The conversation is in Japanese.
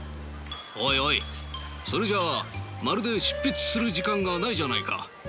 おいおいそれじゃあまるで執筆する時間がないじゃないか。